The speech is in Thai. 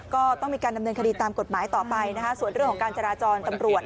ก็ต้องมีการดำเนินคดีตามกฎหมายต่อไปนะคะส่วนเรื่องของการจราจรตำรวจ